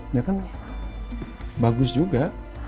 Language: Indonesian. dia kan bagus juga